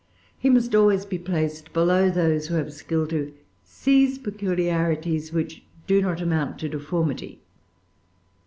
He must always be placed below those who have skill to seize peculiarities which do not amount to deformity.